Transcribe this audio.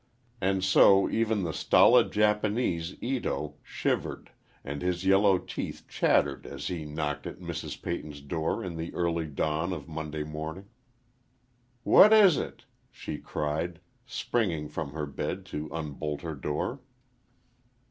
And so even the stolid Japanese Ito, shivered, and his yellow teeth chattered as he knocked at Mrs. Peyton's door in the early dawn of Monday morning. "What is it?" she cried, springing from her bed to unbolt her door.